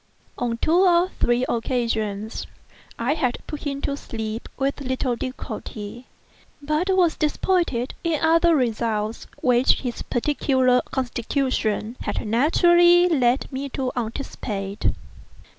On two or three occasions I had put him to sleep with little difficulty, but was disappointed in other results which his peculiar constitution had naturally led me to anticipate.